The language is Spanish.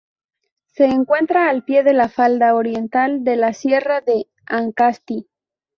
Se encuentra al pie de la falda oriental de la sierra de Ancasti.